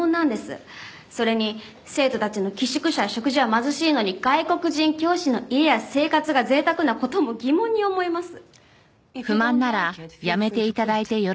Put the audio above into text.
それに生徒たちの寄宿舎や食事は貧しいのに外国人教師の家や生活が贅沢な事も疑問に思います。